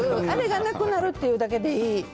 あれがなくなるっていうだけでいい。